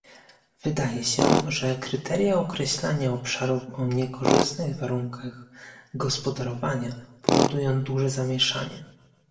Wydaje się, że kryteria określania obszarów o niekorzystnych warunkach gospodarowania powodują duże zamieszanie